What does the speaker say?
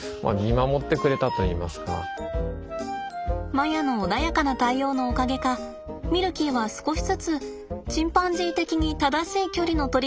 マヤの穏やかな対応のおかげかミルキーは少しずつチンパンジー的に正しい距離の取り方を学んでいきました。